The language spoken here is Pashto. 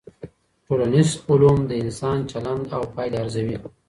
ټولنيز علوم د انسان چلند او پايلي ارزوي.